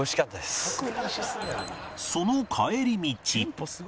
その帰り道